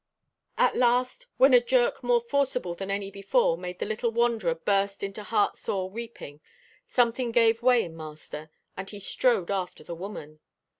At last, when a jerk more forcible than any before made the little wanderer burst into heartsore weeping, something gave way in master, and he strode after the woman.